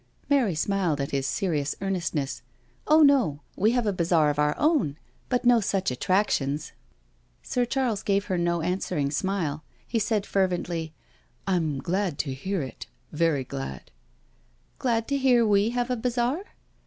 Mary smiled at his serious earnestness. " Oh, no — we have a bazaar of our own— but no such attrac tions I '^. Sir Charles gave her no answering smile. He said fervently: " I'm glad to hear it— very glad." " Glad to hear we have a bazaar?"